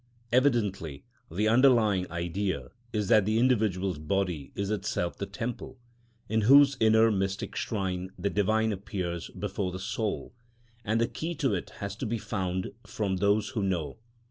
Evidently the underlying idea is that the individual's body is itself the temple, in whose inner mystic shrine the Divine appears before the soul, and the key to it has to be found from those who know.